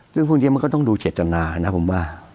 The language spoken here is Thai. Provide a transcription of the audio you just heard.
เรื่องพวกนี้มันก็ต้องดูเจตนานะผมว่า